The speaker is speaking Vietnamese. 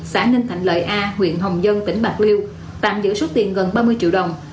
xã ninh thạnh lợi a huyện hồng dân tỉnh bạc liêu tạm giữ số tiền gần ba mươi triệu đồng